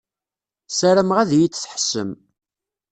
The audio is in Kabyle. Sarameɣ ad yi-d-tḥessem.